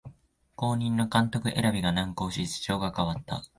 後任の監督選びが難航し事情が変わった